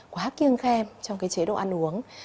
quá kiêng khen trong cái chế độ ăn uống